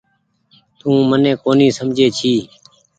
تو مني ڪونيٚ سمجھي ڇي۔